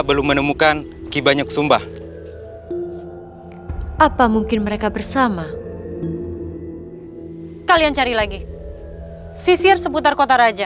belum menemukan kibanyak sumbah apa mungkin mereka bersama kalian cari lagi sisir seputar kota raja